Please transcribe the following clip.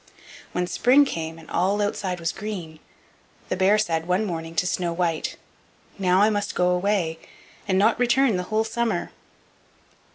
When spring came, and all outside was green, the bear said one morning to Snow white: "Now I must go away, and not return again the whole summer."